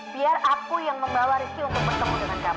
biar aku yang membawa rizky untuk bertemu dengan kamu